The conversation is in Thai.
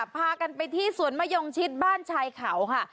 พากันไปที่สวนมะยงชิดบ้านชายเขาค่ะ